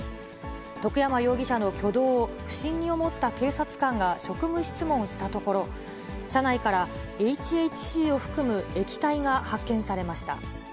徳山容疑者の挙動を不審に思った警察官が職務質問をしたところ、車内からＨＨＣを含む液体が発見されました。